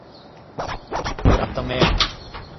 Йӧратымем...